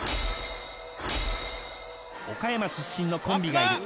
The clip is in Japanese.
「岡山出身のコンビがいる」